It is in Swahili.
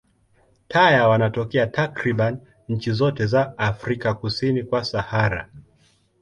Taya wanatokea takriban nchi zote za Afrika kusini kwa Sahara.